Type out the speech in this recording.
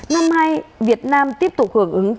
năm nay việt nam tiếp tục hưởng ứng chung